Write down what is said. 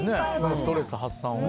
ストレス発散で。